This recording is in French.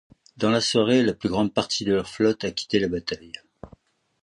Dans la soirée la plus grande partie de leur flotte a quitté la bataille.